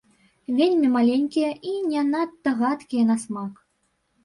Вельмі маленькія і не надта гадкія на смак.